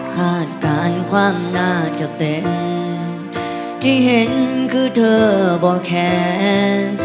คาดการณ์ความน่าจะเป็นที่เห็นคือเธอบอกแขน